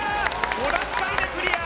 ５段階目クリア